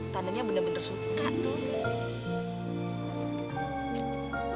tandanya bener bener suka tuh